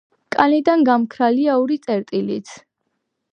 კანიდან გამქრალია ორი წერტილიც.